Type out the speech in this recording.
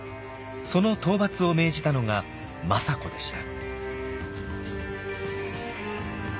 その討伐を命じたのが政子でした。